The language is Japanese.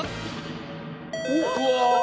うわ！